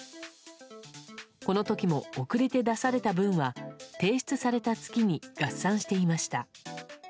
この時も、遅れて出された分は提出された月に合算していました。